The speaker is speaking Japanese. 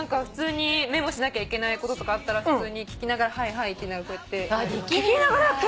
普通にメモしなきゃいけないこととかあったら聞きながら「はいはい」って言いながら。